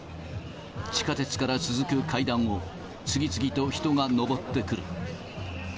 地下鉄から続く階段を、次々と人が上ってくる。